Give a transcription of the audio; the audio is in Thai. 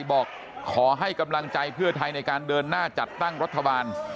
บอกขอให้กำลังใจเพื่อไทยในการเดินหน้าจัดตั้งรัฐบาล